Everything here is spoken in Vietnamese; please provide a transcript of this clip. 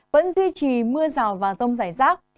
vẫn duy trì mưa rào và rông rải rác